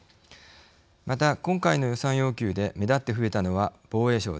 また今回の予算要求で目立って増えたのは防衛省です。